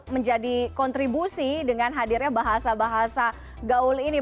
menjadi kontribusi dengan hadirnya bahasa bahasa gaul ini